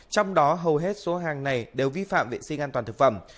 trong đó hầu hết số hàng này đều vi phạm vệ sinh an toàn thực phẩm